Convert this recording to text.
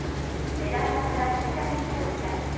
ベランダから転落したと見られます。